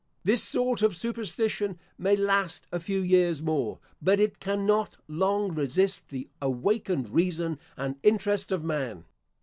This sort of superstition may last a few years more, but it cannot long resist the awakened reason and interest of man.